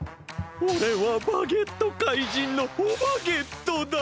おれはバゲットかいじんのオバゲットだ！